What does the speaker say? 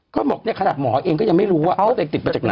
ก็บอกเนี่ยขนาดหมอเองก็ยังไม่รู้ว่าเขาติดไปจากไหน